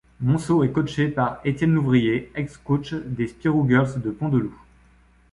Monceau est coaché par Étienne Louvrier, ex-coach des Spirou Girls de Pont-de-Loup.